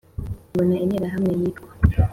tubona interahamwe yitwa…..